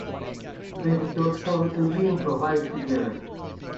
They would also routinely improvise together.